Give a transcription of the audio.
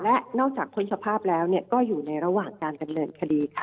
และนอกจากพ้นสภาพแล้วก็อยู่ในระหว่างการดำเนินคดีค่ะ